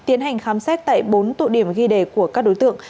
tiến hành khám xét tại bốn tụ điểm ghi đề của các đối tượng